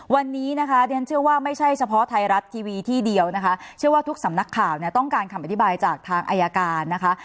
วันนี้นะคะเรียนเชื่อว่าไม่ใช่เฉพาะไทยรัฐทีวีที่เดียวนะคะเชื่อว่าทุกสำนักข่าวเนี่ยต้องการคำอธิบายจากทางอายการนะคะ